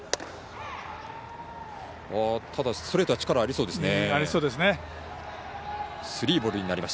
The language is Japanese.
ストレートは力ありそうですね。